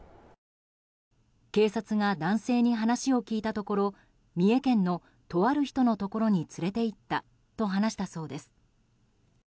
警察が、男性に話を聞いたところ三重県の、とある人のところに連れて行ったと話したそうです。